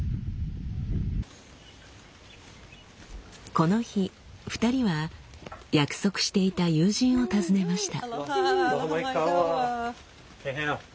この日２人は約束していた友人を訪ねました。